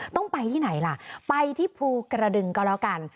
ต้องไปที่ไหนล่ะไปที่ภูกระดึงก็แล้วกัน